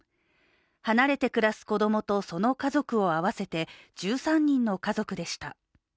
離れて暮らす子供とその家族を合わせて１３人の家族でした。